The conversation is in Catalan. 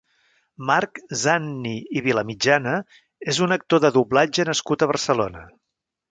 Marc Zanni i Vilamitjana és un actor de doblatge nascut a Barcelona.